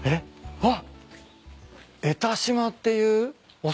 あっ「江田島」っていうお酒？